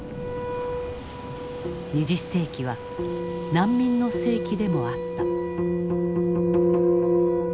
２０世紀は難民の世紀でもあった。